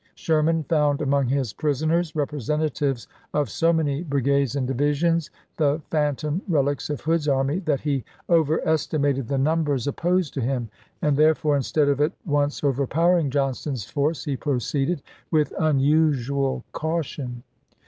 Sherman found among his prisoners representatives of so many brigades and divisions, the phantom relics of Hood's army, that he over estimated the numbers opposed to him; and therefore instead of at once overpowering Johnston's force he proceeded with unusual caution.